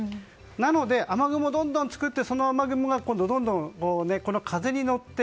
なので、雨雲をどんどん作ってその雨雲が今度、どんどん風に乗って